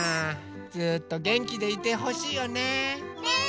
ずっとげんきでいてほしいよね。ねぇ！